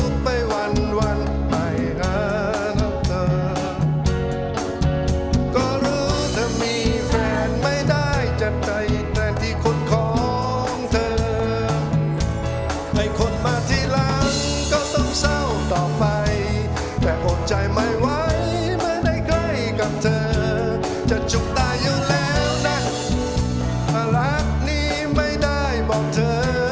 ถ้าอยู่แล้วนะรักนี้ไม่ได้บอกเธอ